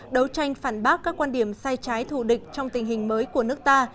đấu tranh phản bác các quan điểm sai trái thù địch trong tình hình mới của nước ta